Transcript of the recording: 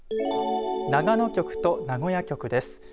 長野局と名古屋局です。